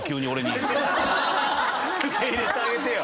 受け入れてあげてよ。